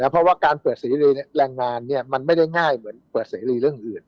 เพราะว่าการเปิดเสรีแรงงานมันไม่ได้ง่ายเหมือนเปิดเสรีเรื่องอื่น